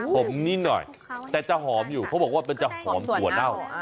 ผมนิดหน่อยแต่จะหอมอยู่เขาบอกว่ามันจะหอมถั่วเน่า